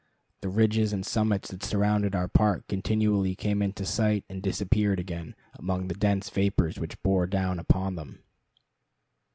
The ridges and summits that surrounded our park continually came into sight and disappeared again among the dense vapors which bore down upon them.